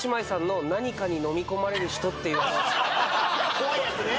怖いやつね！